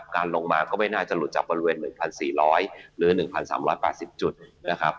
การลงมาก็ไม่น่าจะหลุดจากบริเวณ๑๔๐๐หรือ๑๓๘๐จุดนะครับ